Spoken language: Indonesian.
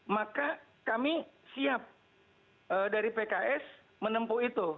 maka kami siap dari pks menempuh itu